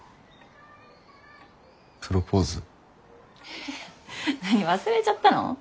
えっ何忘れちゃったの？